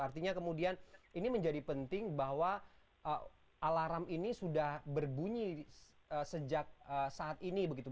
artinya kemudian ini menjadi penting bahwa alarm ini sudah berbunyi sejak saat ini begitu